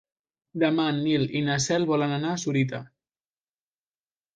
Demà en Nil i na Cel volen anar a Sorita.